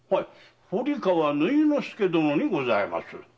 堀川縫殿助殿にございます。